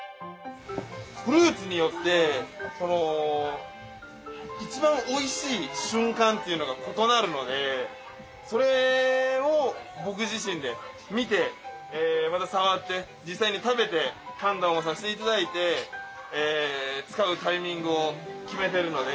フルーツによってこの一番おいしい瞬間っていうのが異なるのでそれを僕自身で見てまた触って実際に食べて判断をさせていただいて使うタイミングを決めてるので。